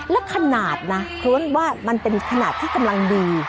และขนาดนะเพราะว่ามันเป็นขนาดที่กำลังดี